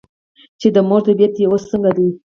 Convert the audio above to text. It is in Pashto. چې " د مور طبیعیت دې اوس څنګه دے ؟" ـ